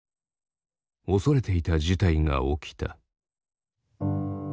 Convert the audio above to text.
恐れていた事態が起きた。